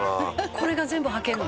「これが全部はけるの？」